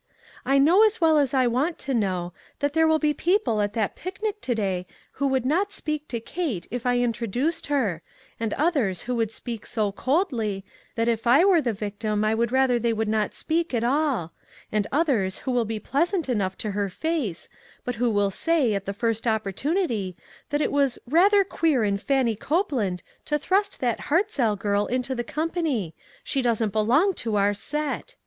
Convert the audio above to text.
I know as well as I want to know, that there will be people at that picnic to day who would not speak to Kate if I introduced her ; and others who would speak so coldly, that if I were the victim I would rather they would not speak at all; and others who will be pleasant enough to her face, but who will say, at the first opportunity, that it was * rather queer in Fannie Cope land to thrust that Hartzell girl into the company — she doesn't belong to our set